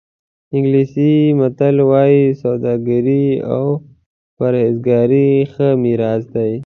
انګلیسي متل وایي سوداګري او پرهېزګاري ښه میراث دی.